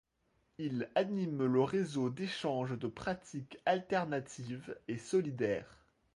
Il anime le réseau d'échanges de pratiques alternatives et solidaires.